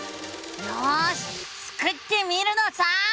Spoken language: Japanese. よしスクってみるのさ！